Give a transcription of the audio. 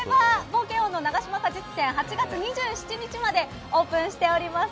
お台場冒険王の永島果実店８月２７日までオープンしております。